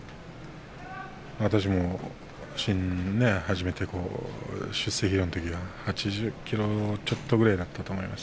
私も初めて出世披露のときは８０ｋｇちょっとぐらいだったと思います。